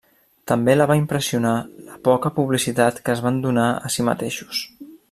També la va impressionar la poca publicitat que es van donar a si mateixos.